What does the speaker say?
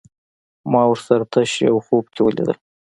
ما ورسره تش يو خوب کې وليدل